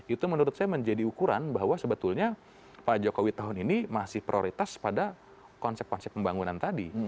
itu menurut saya menjadi ukuran bahwa sebetulnya pak jokowi tahun ini masih prioritas pada konsep konsep pembangunan tadi